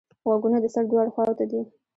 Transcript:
غوږونه د سر دواړو خواوو ته دي